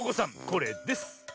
これです。